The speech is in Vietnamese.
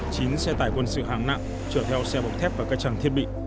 chính xe tải quân sự hàng nặng chở theo xe bọc thép và các trang thiết bị